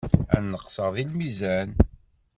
Ad neqseɣ deg lmizan.